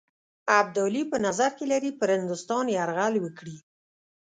ابدالي په نظر کې لري پر هندوستان یرغل وکړي.